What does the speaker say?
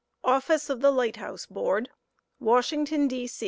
OVVXCH OP THE LlGHT HOUSE BOAItD, Washington, D.